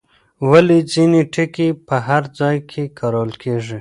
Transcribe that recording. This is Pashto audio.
ولې ځینې ټکي په هر ځای کې کارول کېږي؟